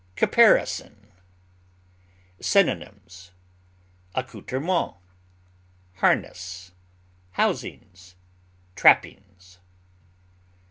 CAPARISON. Synonyms: accouterments, harness, housings, trappings.